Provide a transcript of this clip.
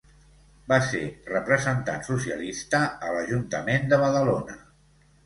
Va ser representant socialista a l'Ajuntament de Badalona.